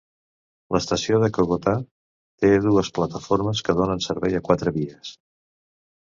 L"estació de Kogota té dues plataformes que donen servei a quatre vies.